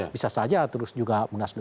bisa saja terus juga munaslup